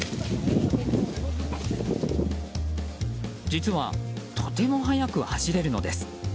実は、とても速く走れるのです。